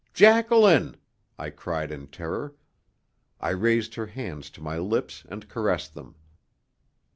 "Jacqueline!" I cried in terror. I raised her hands to my lips and caressed them.